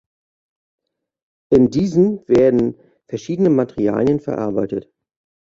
In diesen werden verschiedene Materialien verarbeitet.